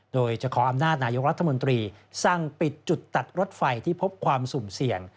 โดยจะขออำนาจนายกรัฐมนตรีสั่งปิดจุดตัดรถไฟที่พบความสุ่มเสี่ยง